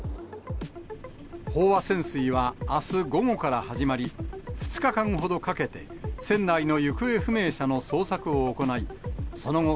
飽和潜水はあす午後から始まり、２日間ほどかけて、船内の行方不明者の捜索を行い、その後、